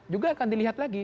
juga akan dilihat lagi